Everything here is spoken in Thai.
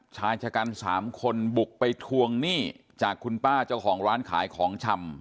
ชายชะกัน๓คนบุกไปทวงหนี้จากคุณป้าเจ้าของร้านขายของชำ